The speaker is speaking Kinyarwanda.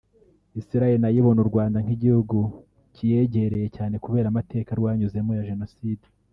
Islael nayo ibona u Rwanda nk’igihugu kiyegereye cyane kubera amateka rwanyuzemo ya jenoside